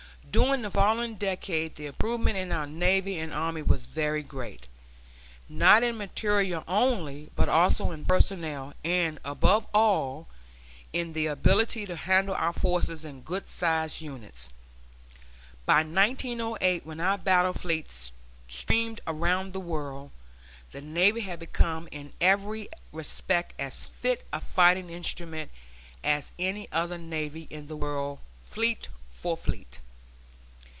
During the following decade the improvement in our navy and army was very great; not in material only, but also in personnel, and, above all, in the ability to handle our forces in good sized units. By 1908, when our battle fleet steamed round the world, the navy had become in every respect as fit a fighting instrument as any other navy in the world, fleet for fleet.